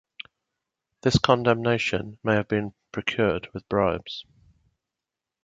This condemnation may have been procured with bribes.